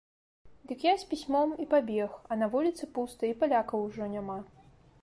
Дык я з пісьмом і пабег, а на вуліцы пуста і палякаў ужо няма.